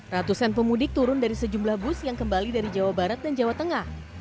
ratusan pemudik turun dari sejumlah bus yang kembali dari jawa barat dan jawa tengah